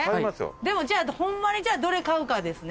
でもじゃあホンマにどれ買うかですね。